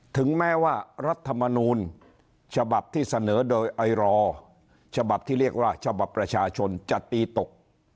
ถึงแม้ว่ารัฐมนูลฉบับที่เสนอโดยไอรอฉบับที่เรียกว่าฉบับประชาชนจะตีตก